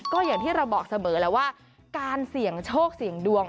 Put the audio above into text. ก็อย่างที่เราบอกเสมอแล้วว่าการเสี่ยงโชคเสี่ยงดวง